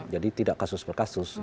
jadi tidak kasus per kasus